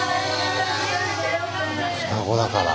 双子だから。